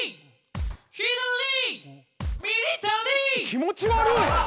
気持ち悪い！